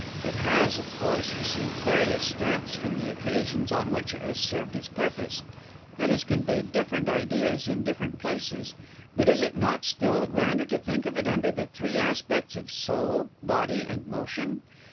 It has, of course, received various stamps from the occasions on which it has served its purpose; it has conveyed different ideas in different places; but is it not still grander to think of it under the three aspects of soul, body, and motion?